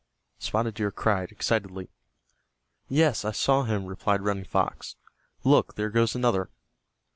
Spotted Deer cried, excitedly. "Yes, I saw him," replied Running Fox. "Look, there goes another."